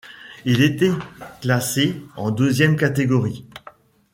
Il était classé en deuxième catégorie.